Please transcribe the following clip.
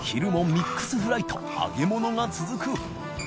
ミックスフライと揚げ物が続く